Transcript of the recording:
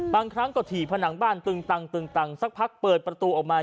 บางครั้งก็ถี่ผนังบ้านตึงตังสักพักเปิดประตูออกมา